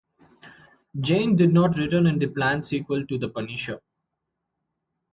Jane did not return in the planned sequel to "The Punisher".